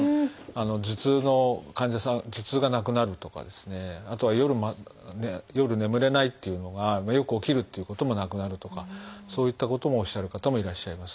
頭痛の患者さん頭痛がなくなるとかあとは夜夜眠れないっていうのがよく起きるということもなくなるとかそういったこともおっしゃる方もいらっしゃいます。